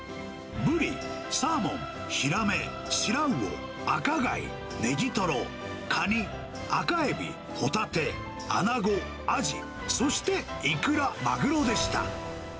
ブリ、サーモン、ヒラメ、シラウオ、赤貝、ネギトロ、カニ、赤エビ、ホタテ、アナゴ、アジ、そしてイクラ、マグロでした。